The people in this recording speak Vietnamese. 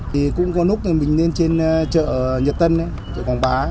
thì cũng có nút mình lên trên chợ nhật tân chợ quảng bá